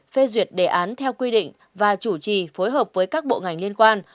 phê duyệt đề án theo quy định và chủ trì phối hợp với các bộ ngành liên quan